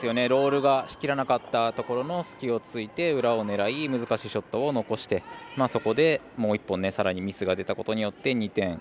ロールがしきれなかったところの隙を突いて裏を狙い、難しいショットを残して、そこでもう１本さらにミスが出たことで２点。